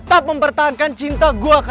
daphne keren sahabat gue